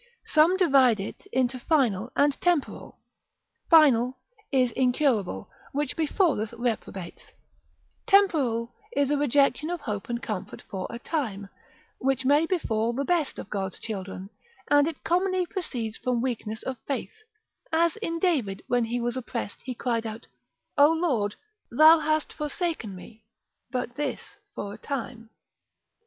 Some divide it into final and temporal; final is incurable, which befalleth reprobates; temporal is a rejection of hope and comfort for a time, which may befall the best of God's children, and it commonly proceeds from weakness of faith, as in David when he was oppressed he cried out, O Lord, thou hast forsaken me, but this for a time.